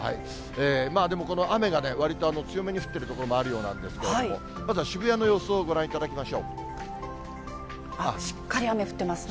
でもこの雨がね、わりと強めに降っている所もあるようなんですけれども、まずは渋しっかり雨降っていますね。